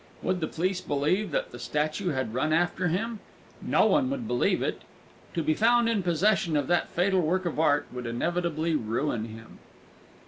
Would the police believe that the statue had run after him? No one would believe it! To be found in possession of that fatal work of art would inevitably ruin him.